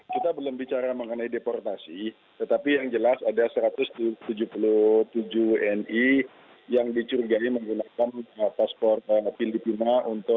kita belum bicara mengenai deportasi tetapi yang jelas ada satu ratus tujuh puluh tujuh wni yang dicurigai menggunakan paspor filipina